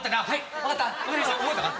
分かったか？